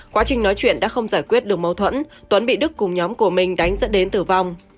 quá trình nói chuyện đã không giải quyết được mâu thuẫn tuấn bị đức cùng nhóm của mình đánh dẫn đến tử vong